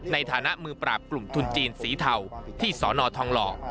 ในฐานะมือปราบกลุ่มทุนจีนสีเทาที่สนทองหล่อ